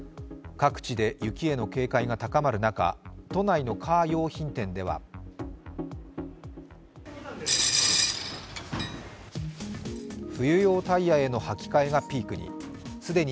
各地で雪への警戒が高まる中、都内のカー用品店では、冬用タイヤの履き替えがピークに。